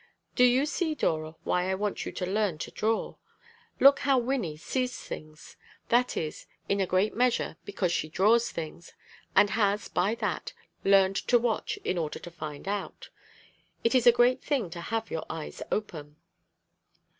Do you see, Dora, why I want you to learn to draw? Look how Wynnie sees things. That is, in a great measure, because she draws things, and has, by that, learned to watch in order to find out. It is a great thing to have your eyes open."